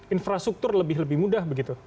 infrastruktur lebih lebih mudah begitu